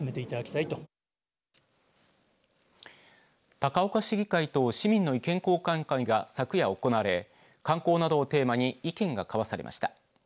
高岡市議会と市民の意見交換会が昨夜行われ観光などをテーマに意見が交わされました。